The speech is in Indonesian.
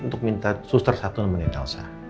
untuk minta suster satu nemenin elsa